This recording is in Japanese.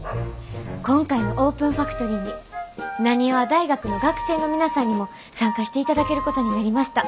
今回のオープンファクトリーに浪速大学の学生の皆さんにも参加していただけることになりました。